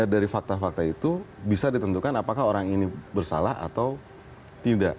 dari fakta fakta itu bisa ditentukan apakah orang ini bersalah atau tidak